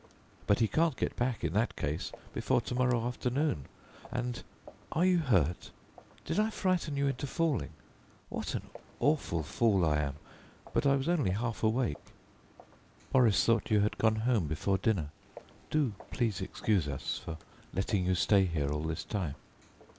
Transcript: "But he can't get back in that case before to morrow afternoon, and are you hurt? Did I frighten you into falling? What an awful fool I am, but I was only half awake." "Boris thought you had gone home before dinner. Do please excuse us for letting you stay here all this time."